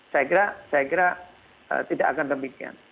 saya kira tidak akan demikian